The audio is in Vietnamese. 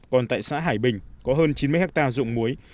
còn tại xã hải bình có hơn chín mươi hectare dụng muối